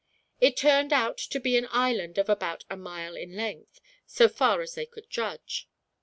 It turned out to be an island of about a mile in length, so far as they could judge.